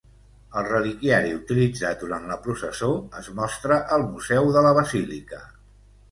El reliquiari utilitzat durant la processó es mostra al Museu de la Basílica.